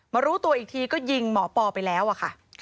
รู้ตัวอีกทีก็ยิงหมอปอไปแล้วอะค่ะ